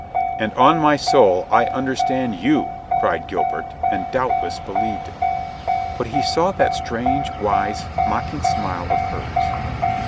"And on my soul I understand you," cried Gil bert, and doubtless believed it. But he saw that strange, wise, mocking smile of hers.